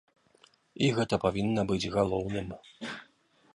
І гэта павінна быць галоўным.